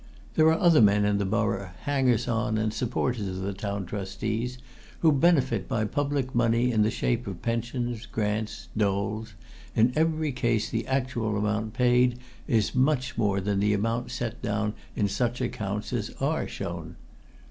There are other men in the borough, hangers on and supporters of the Town Trustees, who benefit by public money in the shape of pensions, grants, doles in every case the actual amount paid is much more than the amount set down in such accounts as are shown.